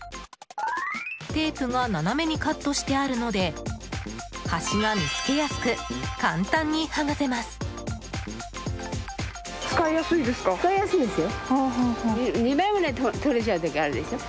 テープが斜めにカットしてあるので端が見つけやすく簡単に剥がせます。